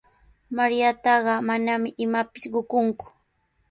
Mariataqa manami imapis qukunku.